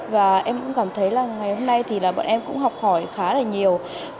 và em cũng cảm thấy ngày hôm nay bọn em cũng học hỏi khá là nhiều